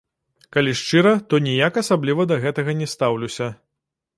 Калі шчыра, то ніяк асабліва да гэтага не стаўлюся.